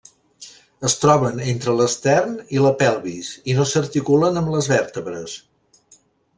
Es troben entre l'estern i la pelvis, i no s'articulen amb les vèrtebres.